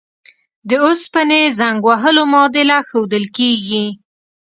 د اوسپنې زنګ وهلو معادله ښودل کیږي.